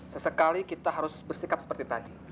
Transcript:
sesekali kita harus bersikap seperti tadi